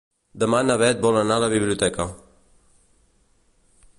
Demà na Bet vol anar a la biblioteca.